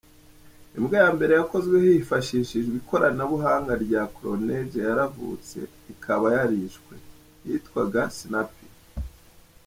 Imbwa ya mbere yakozwe hifashishijwe ikoranabuhanga rya Clonage yaravutse, ikaba yarishwe, yitwaga Snuppy.